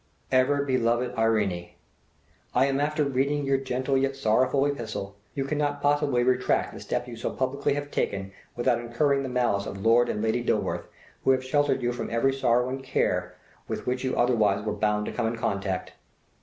"Ever beloved Irene, "I am after reading your gentle yet sorrowful epistle. You cannot possibly retract the step you so publicly have taken without incurring the malice of Lord and Lady Dilworth, who have sheltered you from every sorrow and care with which you otherwise were bound to come in contact.